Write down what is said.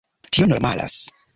Tio normalas.